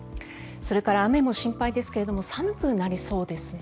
それから雨も心配ですが寒くなりそうですね。